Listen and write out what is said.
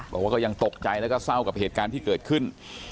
บอกว่าก็ยังตกใจแล้วก็เศร้ากับเหตุการณ์ที่เกิดขึ้น